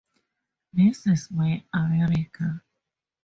This is my America.